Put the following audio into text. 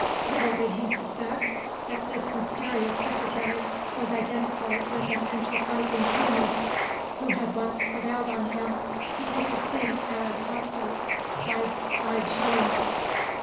Little did he suspect that this mysterious secretary was identical with an enterprising pianist, who had once prevailed on him to take a seat at a concert; price five shillings.